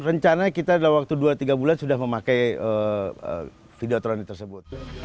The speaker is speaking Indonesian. rencana kita dalam waktu dua tiga bulan sudah memakai videotroni tersebut